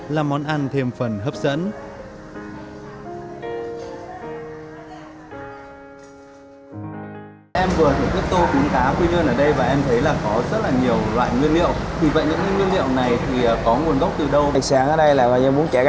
là món ăn thêm phần hấp dẫn